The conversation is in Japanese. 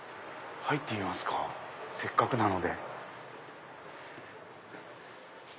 入ってみますかせっかくなので。